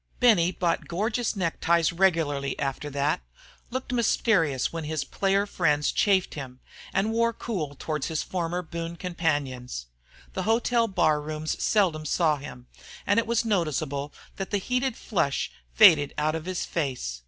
Benny bought gorgeous neckties regularly after that, looked mysterious when his player friends chaffed him, and wore cool towards his former boon companions. The hotel bar rooms seldom saw him, and it was noticeable that the heated flush faded out of his face.